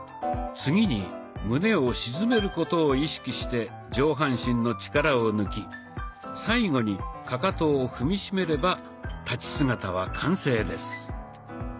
次に胸を沈めることを意識して上半身の力を抜き最後にかかとを踏み締めれば立ち姿は完成です。